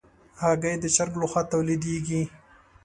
هګۍ د چرګ له خوا تولیدېږي.